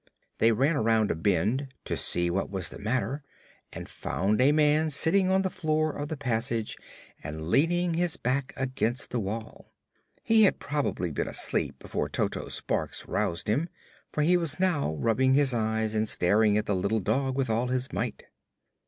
They ran around a bend to see what was the matter and found a man sitting on the floor of the passage and leaning his back against the wall. He had probably been asleep before Toto's barks aroused him, for he was now rubbing his eyes and staring at the little dog with all his might.